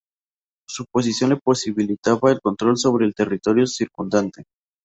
Su posición le posibilitaba el control sobre el territorio circundante.